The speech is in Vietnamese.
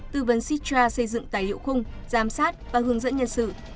tư vấn sistra xây dựng tài liệu khung giám sát và hướng dẫn nhân sự